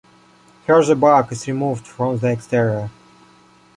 First the bark is removed from the exterior.